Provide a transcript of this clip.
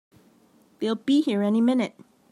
They'll be here any minute!